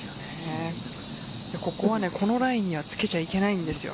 ここはこのラインにはつけちゃいけないんですよ。